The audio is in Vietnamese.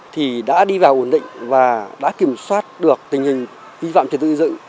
thì đã đi vào ổn định và đã kiểm soát được tình hình vi phạm trật tự xây dựng